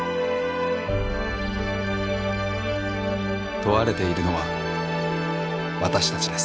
問われているのは私たちです。